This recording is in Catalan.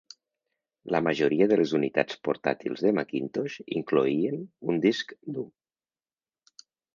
La majoria de les unitats portàtils de Macintosh incloïen un disc dur.